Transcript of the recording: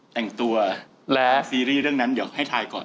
แต่งตัวและซีรีส์เรื่องนั้นเดี๋ยวให้ทายก่อน